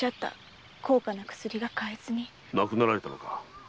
亡くなられたのか？